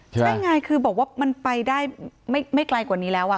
ใช่ไงคือบอกว่ามันไปได้ไม่ไกลกว่านี้แล้ว